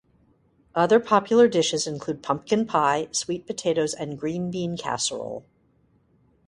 Other popular dishes include pumpkin pie, sweet potatoes, and green bean casserole.